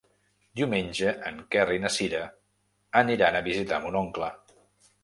Diumenge en Quer i na Cira aniran a visitar mon oncle.